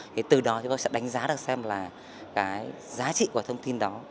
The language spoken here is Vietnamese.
thì từ đó chúng tôi sẽ đánh giá được xem là cái giá trị của thông tin đó